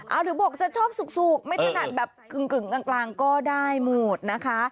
เอาหรือบอกจะชอบสุกไม่ถนัดแบบกึ่งกลางก็ได้หมดนะคะ